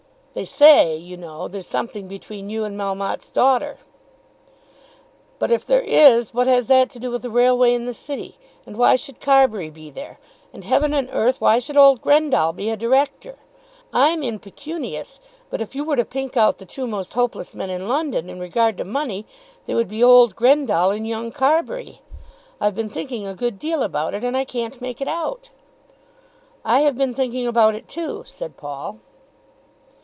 "They say, you know, there's something between you and Melmotte's daughter." "But if there is, what has that to do with a railway in the city? And why should Carbury be there? And, heaven and earth, why should old Grendall be a Director? I'm impecunious; but if you were to pick out the two most hopeless men in London in regard to money, they would be old Grendall and young Carbury. I've been thinking a good deal about it, and I can't make it out." "I have been thinking about it too," said Paul.